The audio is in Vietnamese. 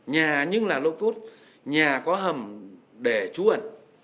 nhà nhưng là lô cốt nhà có hầm để trú ẩn